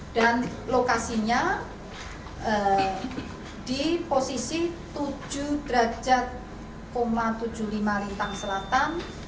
dan lokasinya di posisi tujuh tujuh puluh lima lintang selatan